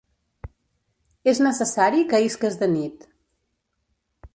És necessari que isques de nit.